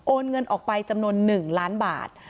เงินออกไปจำนวน๑ล้านบาท